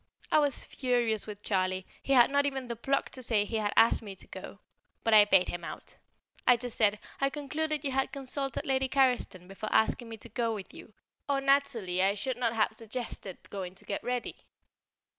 I was furious with Charlie, he had not even the pluck to say he had asked me to go; but I paid him out. I just said, "I concluded you had consulted Lady Carriston before asking me to go with you, or naturally I should not have suggested going to get ready."